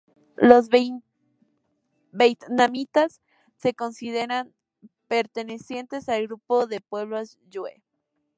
Los vietnamitas se consideran pertenecientes al grupo de pueblos Yue.